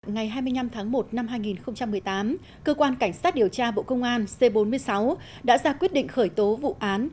ngày hai mươi năm tháng một năm hai nghìn một mươi tám cơ quan cảnh sát điều tra bộ công an c bốn mươi sáu đã ra quyết định khởi tố vụ án